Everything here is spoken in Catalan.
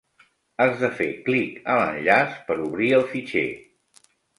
Has de fer clic a l'enllaç per obrir el fitxer